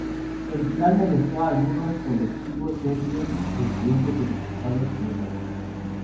El plan molestó a algunos colectivos de serbios residentes en los Estados Unidos.